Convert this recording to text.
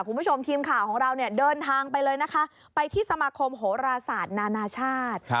คุณผู้ชมทีมข่าวของเราเนี่ยเดินทางไปเลยนะคะไปที่สมาคมโหราศาสตร์นานาชาติ